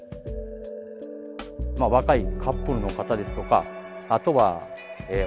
若いカップルの方ですとかあとはお年寄り。